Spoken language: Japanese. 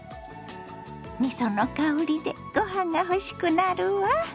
みその香りでご飯が欲しくなるわ。